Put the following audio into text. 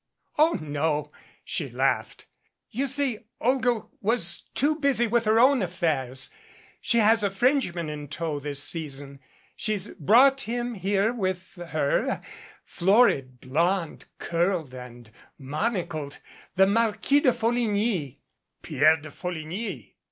"Oh, no," she laughed. "You see Olga was too busy with her own affairs. She has a Frenchman in tow this season she's brought him here with her florid, blonde, curled and monocled, the Marquis de Folligny " "Pierre de Folligny